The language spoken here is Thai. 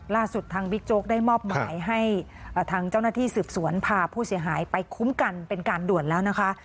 ล่าสุดทางบิ๊กโจ๊กได้มอบหมายให้ทางเจ้าหน้าที่สืบสวนพาผู้เสียหายไปคุ้มกันเป็นการด่วนแล้วนะคะ